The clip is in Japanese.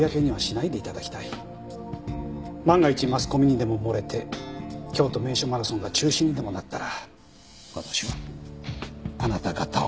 万が一マスコミにでも漏れて京都名所マラソンが中止にでもなったら私はあなた方を訴えます。